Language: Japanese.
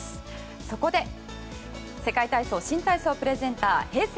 そこで世界体操・新体操プレゼンターＨｅｙ！